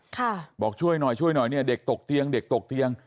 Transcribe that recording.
บอกช่วยหน่อยช่วยหน่อยเนี่ยเด็กตกเตียงเด็กตกเตียง